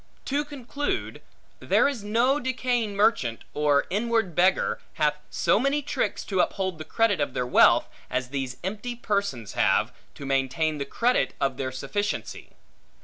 To conclude, there is no decaying merchant, or inward beggar, hath so many tricks to uphold the credit of their wealth, as these empty persons have, to maintain the credit of their sufficiency.